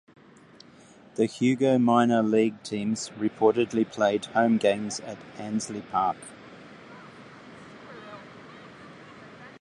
The Hugo minor league teams reportedly played home games at Ansley Park.